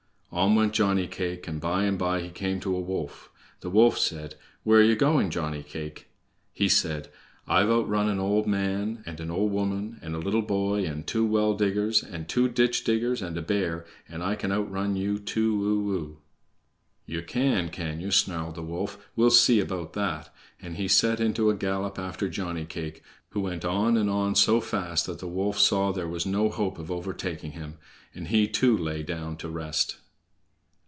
On went Johnny cake, and by and by he came to a wolf. The wolf said: "Where ye going, Johnny cake?" He said: "I've outrun an old man, and an old woman, and a little boy, and two well diggers, and two ditch diggers, and a bear, and I can outrun you too o o!" "Ye can, can ye?" snarled the wolf. "We'll see about that!" And he set into a gallop after Johnny cake, who went on and on so fast that the wolf saw there was no hope of overtaking him, and he too lay down to rest.